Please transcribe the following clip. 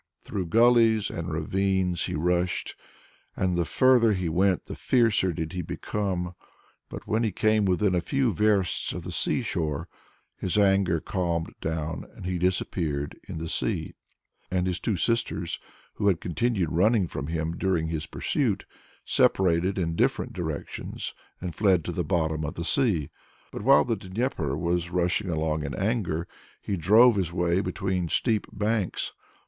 Through gullies and ravines he rushed, and the further he went the fiercer did he become. But when he came within a few versts of the sea shore, his anger calmed down and he disappeared in the sea. And his two sisters, who had continued running from him during his pursuit, separated in different directions and fled to the bottom of the sea. But while the Dnieper was rushing along in anger, he drove his way between steep banks.